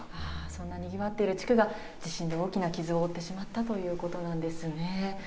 そんなにぎわっている地区が地震で大きな傷を負ってしまったということなんですね。